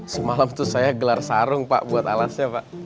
semalam itu saya gelar sarung pak buat alasnya pak